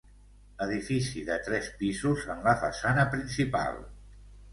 Edifici de tres pisos en la façana principal.